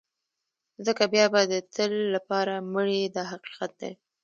ځکه بیا به د تل لپاره مړ یې دا حقیقت دی.